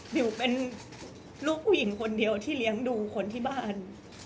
ดิวเป็นลูกผู้หญิงคนเดียวที่เลี้ยงดูคนที่บ้าน